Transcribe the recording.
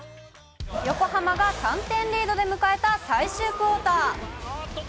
横浜が３点リードで迎えた最終クオーター。